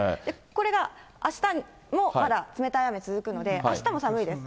これがあしたもまだ冷たい雨続くので、あしたも寒いです。